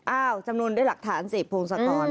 จำนวนด้วยหลักฐานสิพงศกร